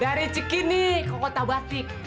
dari cikini ke kota batik